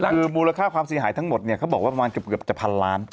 คือมูลค่าความเสียหายทั้งหมดเนี่ยเขาบอกว่าประมาณเกือบจะพันล้าน